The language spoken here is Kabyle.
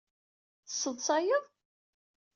Tesseḍṣayeḍ?